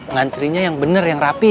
ngantrinya yang benar yang rapi